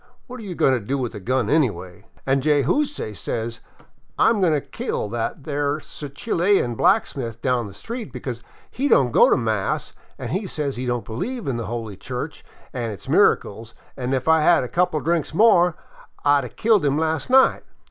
What are you goin' to do with a gun anyway ?' An' Jayzoose says, * I 'm goin' to kill that there Chilian blacksmith down the street, because he don't go to mass an' says he don't believe in the Holy Church an' its miracles; an' if I 'd a had a couple of drinks more, I 'd a killed him las' night.'